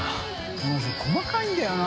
この人細かいんだよな。